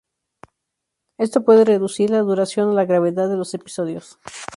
Esto puede reducir la duración o la gravedad de los episodios.